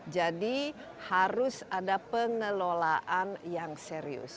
jadi harus ada pengelolaan yang serius